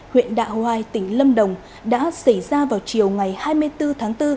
huyện đạ hoai tỉnh lâm đồng đã xảy ra vào chiều ngày hai mươi bốn tháng bốn